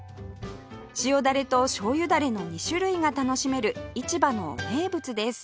塩だれとしょうゆだれの２種類が楽しめる市場の名物です